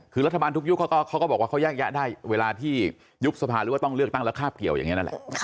คือรัฐบาลทุกยุคเขาก็บอกว่าเขาแยกแยะได้เวลาที่ยุบสภาหรือว่าต้องเลือกตั้งแล้วคาบเกี่ยวอย่างนี้นั่นแหละ